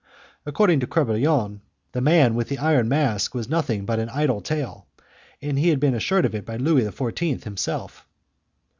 According to Crebillon, the Man with the Iron Mask was nothing but an idle tale, and he had been assured of it by Louis XIV. himself.